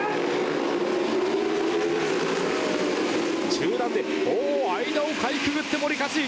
中段で、おお、間をかいくぐって森且行。